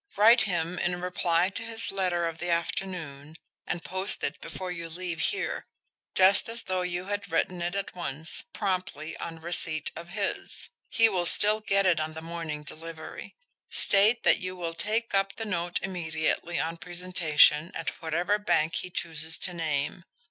"Write him in reply to his letter of the afternoon, and post it before you leave here just as though you had written it at once, promptly, on receipt of his. He will still get it on the morning delivery. State that you will take up the note immediately on presentation at whatever bank he chooses to name.